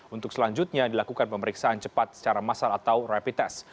untuk selanjutnya dilakukan pemeriksaan cepat secara massal atau rapid test